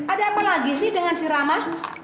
ada apa lagi sih dengan si rama